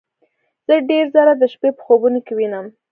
زه ډیر ځله د شپې په خوبونو کې وینم